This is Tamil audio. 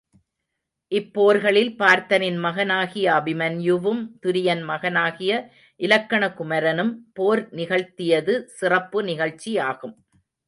இப்போர்களில் பார்த்தனின் மகனாகிய அபிமன்யுவும் துரியன் மகனாகிய இலக்கண குமரனும் போர் நிகழ்த் தியது சிறப்பு நிகழ்ச்சியாகும்.